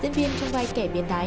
diễn viên trong vai kẻ biến tái